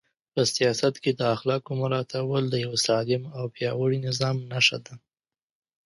په سیاست کې د اخلاقو مراعاتول د یو سالم او پیاوړي نظام نښه ده.